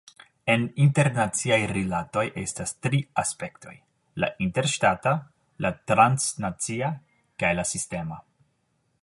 En internaciaj rilatoj estas tri aspektoj: la interŝtata, la transnacia kaj la sistema.